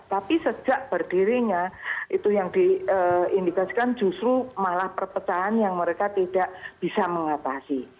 tapi sejak berdirinya itu yang diindikasikan justru malah perpecahan yang mereka tidak bisa mengatasi